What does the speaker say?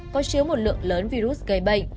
có chiếu một lượng lớn virus gây bệnh